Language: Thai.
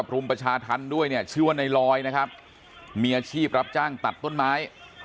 รุมประชาธรรมด้วยเนี่ยชื่อว่าในลอยนะครับมีอาชีพรับจ้างตัดต้นไม้